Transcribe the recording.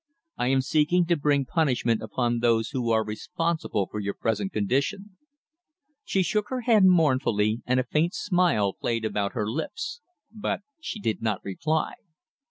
I am seeking to bring punishment upon those who are responsible for your present condition." She shook her head mournfully, and a faint smile played about her lips. But she did not reply.